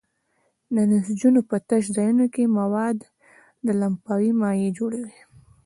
د نسجونو په تش ځای کې مواد لمفاوي مایع جوړوي.